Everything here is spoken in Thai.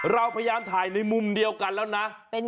เราพยายามถ่ายในมุมเดียวกันแล้วนะ